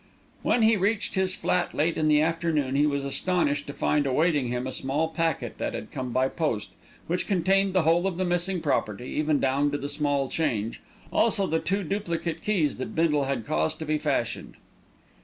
When he reached his flat late in the afternoon, he was astonished to find awaiting him a small packet that had come by post, which contained the whole of the missing property, even down to the small change, also the two duplicate keys that Bindle had caused to be fashioned.